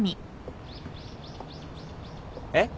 えっ？